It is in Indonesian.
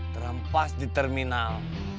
terhempas di terminal